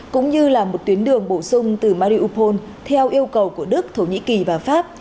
cũng như là một tuyến đường bổ sung từ mariupol theo yêu cầu của đức thổ nhĩ kỳ và pháp